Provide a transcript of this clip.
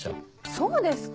そうですか？